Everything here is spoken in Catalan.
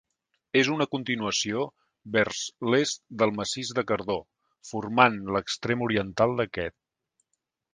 És una continuació vers l'est del Massís de Cardó, formant l'extrem oriental d'aquest.